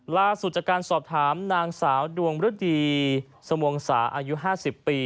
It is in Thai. ล่าสุดจากการสอบถามนางสาวดวงฤดีสมวงศาอายุ๕๐ปี